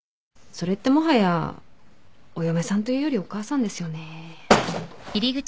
それってもはやお嫁さんというよりお母さんですよね。